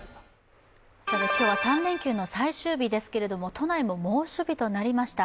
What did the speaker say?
今日は３連休の最終日ですけれど都内も猛暑日となりました。